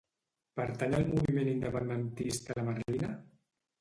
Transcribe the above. Pertany al moviment independentista la Merlina?